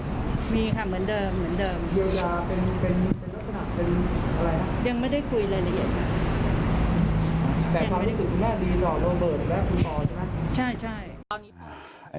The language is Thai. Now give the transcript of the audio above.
แต่ความรู้สึกคุณแม่ดีต่อโรเบิร์ตและคุณปอล์ใช่ไหม